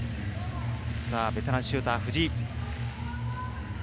ベテランシューター、藤井。